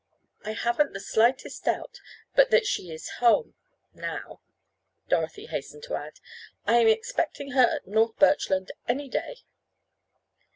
I haven't the slightest doubt but that she is home—now," Dorothy hastened to add. "I am expecting her at North Birchland any day."